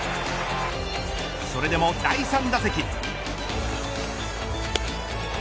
それでも第３打席。